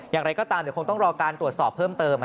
อย่างไรก็ตามเดี๋ยวคงต้องรอการตรวจสอบเพิ่มเติม